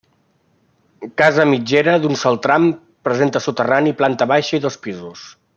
Casa mitgera, d'un sol tram, presenta soterrani, planta baixa i dos pisos.